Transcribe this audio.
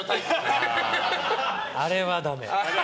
あれはダメ。